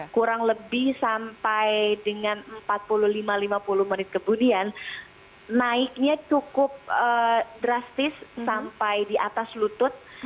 kurang lebih sampai dengan empat puluh lima lima puluh menit kemudian naiknya cukup drastis sampai di atas lutut